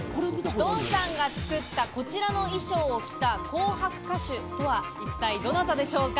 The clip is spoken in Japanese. ドンさんが作ったこちらの衣装を着た紅白歌手とは、一体どなたでしょうか。